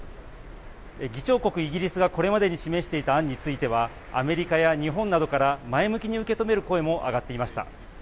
議長国イギリスがこれまで示していた案については、アメリカや日本などから、前向きに受け止める声も上がっていました。